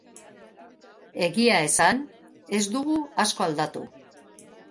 Egia esan, ez dugu asko aldatu.